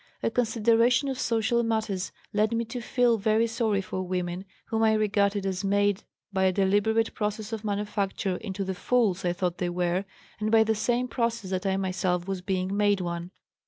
A consideration of social matters led me to feel very sorry for women, whom I regarded as made by a deliberate process of manufacture into the fools I thought they were, and by the same process that I myself was being made one.